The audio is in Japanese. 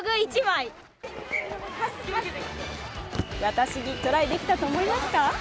私にトライできたと思いますか？